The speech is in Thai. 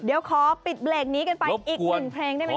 เดี๋ยวขอปิดเบรกนี้กันไปอีกหนึ่งเพลงได้ไหม